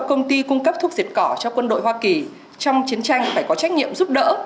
công ty cung cấp thuốc diệt cỏ cho quân đội hoa kỳ trong chiến tranh phải có trách nhiệm giúp đỡ